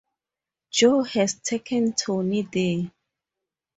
Joe has taken Tony there.